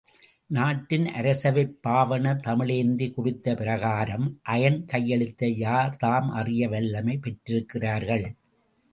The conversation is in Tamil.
நாட்டின் அரசவைப் பாவாணர் தமிழேந்தி குறித்த பிரகாரம், அயன் கையெழுத்தை யார்தாம் அறிய வல்லமை பெற்றிருக்கிறார்கள்?